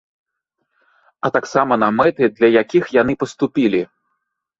А таксама на мэты, для якіх яны паступілі.